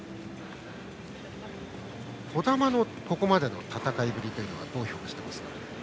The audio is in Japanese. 児玉のここまでの戦いぶりはどう評価していますか。